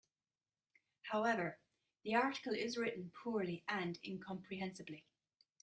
However, the article is written poorly and incomprehensibly.